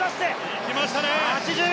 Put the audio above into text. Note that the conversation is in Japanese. いきましたね。